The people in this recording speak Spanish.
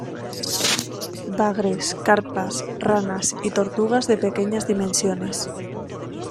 Bagres, carpas, ranas y tortugas de pequeñas dimensiones.